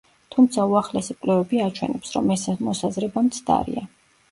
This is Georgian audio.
თუმცა უახლესი კვლევები აჩვენებს, რომ ეს მოსაზრება მცდარია.